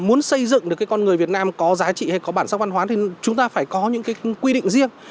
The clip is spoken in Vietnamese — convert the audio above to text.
muốn xây dựng được cái con người việt nam có giá trị hay có bản sắc văn hóa thì chúng ta phải có những cái quy định riêng